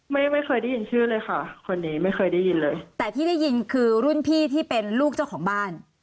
ไม่ไม่เคยได้ยินชื่อเลยค่ะคนนี้ไม่เคยได้ยินเลยแต่ที่ได้ยินคือรุ่นพี่ที่เป็นลูกเจ้าของบ้าน